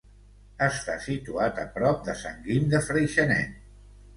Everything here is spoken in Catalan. Està situat a prop de Sant Guim de Freixenet.